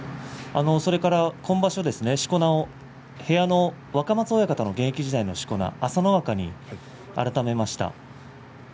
今場所はしこ名を部屋の若松親方の現役時代のしこ名、朝乃若に改めました。